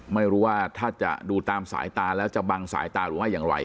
ไม่รู้ว่าถ้าจะดูตามสายตาแล้วจะบังสายตาหรือไม่อย่างไร